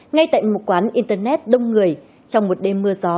ngay tại một quán internet đông người trong một đêm mưa gió